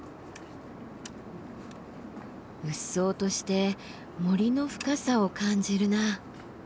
鬱蒼として森の深さを感じるな。